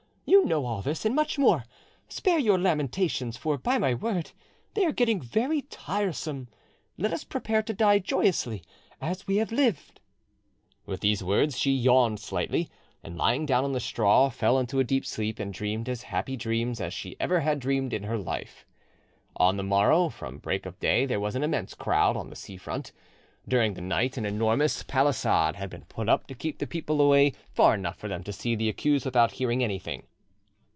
You know all this and much more; spare your lamentations, for, by my word, they are getting very tiresome: let us prepare to die joyously, as we have lived." With these words she yawned slightly, and, lying down on the straw, fell into a deep sleep, and dreamed as happy dreams as she had ever dreamed in her life. On the morrow from break of day there was an immense crowd on the sea front. During the night an enormous palisade had been put up to keep the people away far enough for them to see the accused without hearing anything.